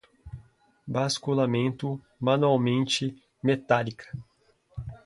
basculamento, manualmente, metálica